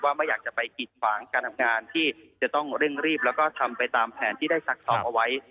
ไม่อยากจะไปกิดขวางการทำงานที่จะต้องเร่งรีบแล้วก็ทำไปตามแผนที่ได้ซักซ้อมเอาไว้